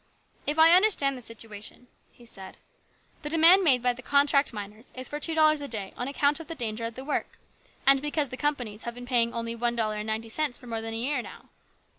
" If I understand the situation," he said, " the demand made by the contract miners is for two dollars a day on account of the danger of the work, and because the companies have been paying only one dollar and ninety cents for more than a year now.